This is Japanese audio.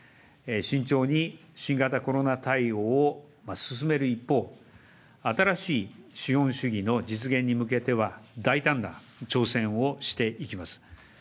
慎重に新型コロナ対応を進める一方、新しい資本主義の実現に向けては、大胆な挑戦をしていきます。